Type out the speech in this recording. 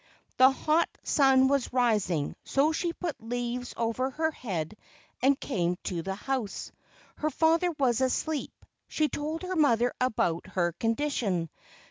The hot sun was rising, so she put leaves over her head and came to the house. Her father was asleep. She told her mother about her condition.